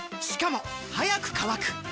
しかも速く乾く！